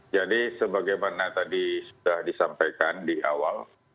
jadi sebagaimana tadi sudah disampaikan di awal